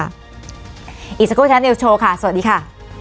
อีกสักครู่แชลนิวส์โชว์ค่ะสวัสดีค่ะ